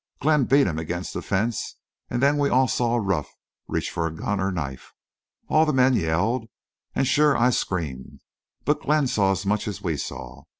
Glenn beat him against the fence an' then we all saw Ruff reach for a gun or knife. All the men yelled. An' shore I screamed. But Glenn saw as much as we saw.